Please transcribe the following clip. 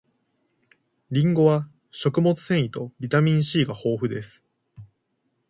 りんごは食物繊維とビタミン C が豊富です